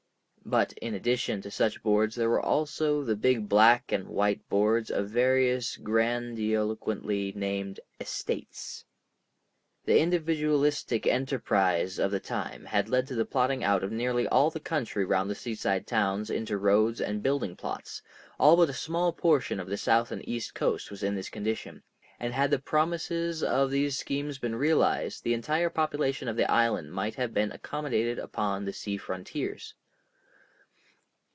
But in addition to such boards there were also the big black and white boards of various grandiloquently named "estates." The individualistic enterprise of that time had led to the plotting out of nearly all the country round the seaside towns into roads and building plots—all but a small portion of the south and east coast was in this condition, and had the promises of those schemes been realized the entire population of the island might have been accommodated upon the sea frontiers.